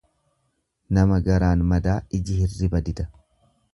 Nama garaan madaa iji hirriba dida.